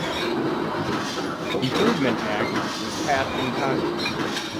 Improvement Act was passed in Congress.